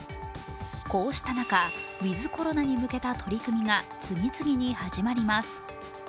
こうした中、ウィズ・コロナに向けた取り組みが次々に始まります。